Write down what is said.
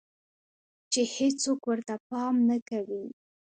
چې هيڅوک ورته پام نۀ کوي